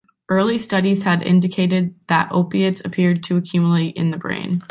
Early studies had indicated that opiates appeared to accumulate in the brain.